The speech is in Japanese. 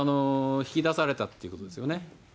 引き出されたっていうことですよね。